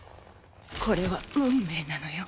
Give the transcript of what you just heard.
これは運命なのよ。